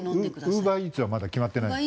ウーバーイーツはまだ決まってない？